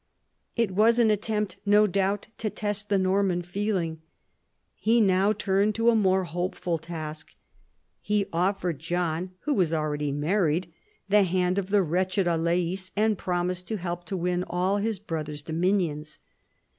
It was an attempt, no doubt, to test the Norman feeling. He now turned to a more hopeful task. He offered John (who was . already married) the hand of the wretched Alais, and promised to help to win all his brother's dominions.